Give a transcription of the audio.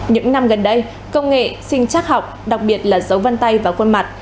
những năm gần đây công nghệ sinh chắc học đặc biệt là dấu vân tay và khuôn mặt